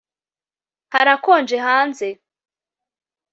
Harakonje hanze